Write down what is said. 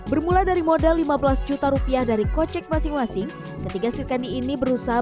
bermula dari modal lima belas juta rupiah dari kocek masing masing ketiga sirkani ini berusaha